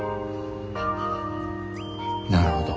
なるほど。